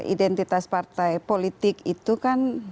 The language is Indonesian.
identitas partai politik itu kan